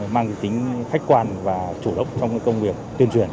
mang tính khách quan và chủ động trong công việc tuyên truyền